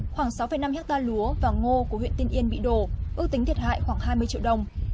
khoảng sáu năm hectare lúa và ngô của huyện tiên yên bị đổ ước tính thiệt hại khoảng hai mươi triệu đồng